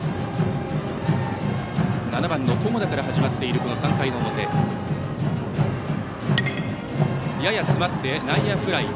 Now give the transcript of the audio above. ７番の友田から始まっている３回の表。やや詰まって、内野フライ。